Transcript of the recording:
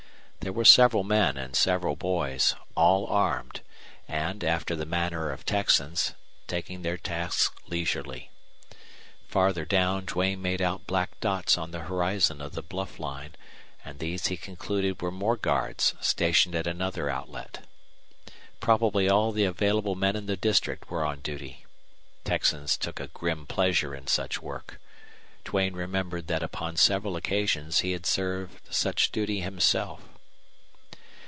There were several men and several boys, all armed and, after the manner of Texans, taking their task leisurely. Farther down Duane made out black dots on the horizon of the bluff line, and these he concluded were more guards stationed at another outlet. Probably all the available men in the district were on duty. Texans took a grim pleasure in such work. Duane remembered that upon several occasions he had served such duty himself.